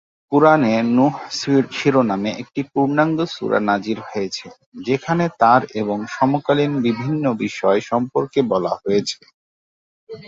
কুরআনে নূহ শিরোনামে একটি পূর্নাঙ্গ সূরা নাযিল হয়েছে যেখানে তার এবং সমকালীন বিভিন্ন বিষয় সম্পর্কে বলা হয়েছে।